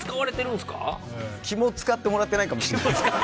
気も使ってもらってないかもしれないです。